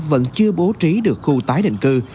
vẫn chưa bố trí được khu tái định cư